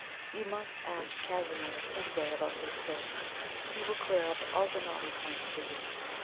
You must ask Casimir some day about these things; he will clear up all the knotty points for you.